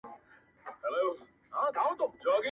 چي ته مه ژاړه پیسې مو دربخښلي؛